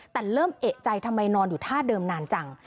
แต่เริ่มเอกใจทำไมนอนอยู่ท่าเดิมนานจัง